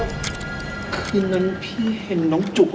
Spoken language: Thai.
คืนนั้นพี่เห็นน้องจุก